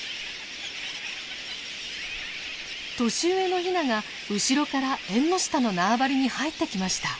年上のヒナが後ろからエンノシタの縄張りに入ってきました。